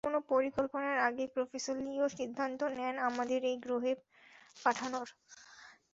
কোনো পরিকল্পনার আগেই প্রফেসর লিওর সিদ্ধান্ত নেন আমাদের এই গ্রহে পাঠানোর।